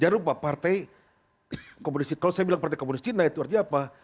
jangan lupa partai komunis kalau saya bilang partai komunis cina itu artinya apa